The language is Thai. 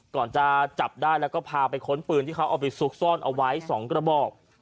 ก่อนจะจับได้แล้วก็พาไปค้นปืนที่เขาเอาไปซุกซ่อนเอาไว้๒กระบอก